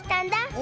お！